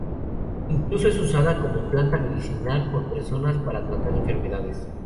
Incluso es usada como planta medicinal por personas para tratar enfermedades.